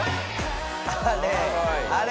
あれ。